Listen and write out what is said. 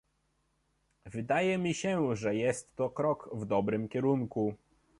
Wydaje mi się, że jest to krok w dobrym kierunku